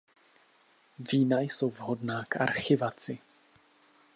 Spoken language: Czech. Vína jsou vhodná k archivaci.